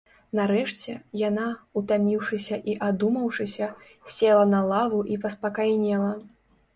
Нарэшце, яна, утаміўшыся і адумаўшыся, села на лаву і паспакайнела.